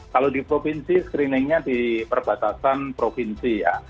kalau di provinsi screeningnya di perbatasan provinsi ya